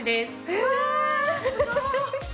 うわすごい！